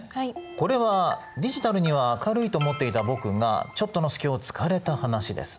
「これはディジタルには明るいと思っていた僕がちょっとの隙をつかれた話です。